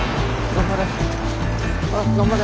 頑張れ。